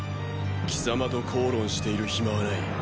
貴様と口論している暇はない。